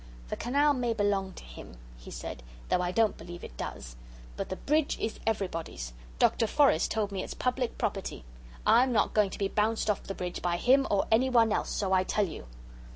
"The canal may belong to him," he said, "though I don't believe it does. But the bridge is everybody's. Doctor Forrest told me it's public property. I'm not going to be bounced off the bridge by him or anyone else, so I tell you."